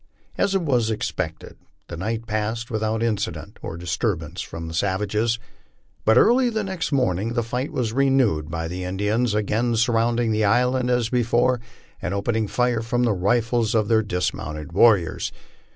As was expected, the night passed without incident or di&turbance from the savages ; but early the next morning the fight was renewed by the Indians again surrounding the island as before, and opening fire from the rifles of their dismounted warriors.